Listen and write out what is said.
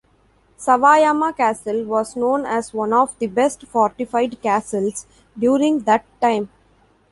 Sawayama Castle was known as one of the best-fortified castles during that time.